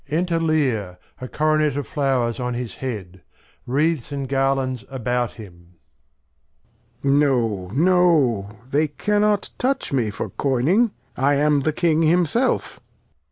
Enter Lear, a Coronet of Flowers on his Head ; Wreaths, and Garlands about him. Lear. No, no; they cannot touch me for coyning; I am the King himself.